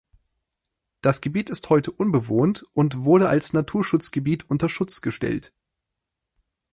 Das Gebiet ist heute unbewohnt und wurde als Naturschutzgebiet unter Schutz gestellt.